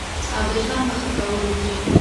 او د ژوند په ښه کولو کې